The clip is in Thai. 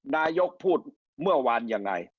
นายกพูดเมื่อวานยังไง